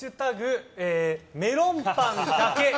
「＃メロンパンだけ」。